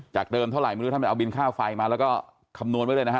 เดิมเท่าไหร่ไม่รู้ท่านไปเอาบินค่าไฟมาแล้วก็คำนวณไว้เลยนะฮะ